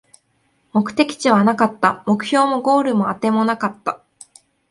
目的地はなかった、目標もゴールもあてもなかった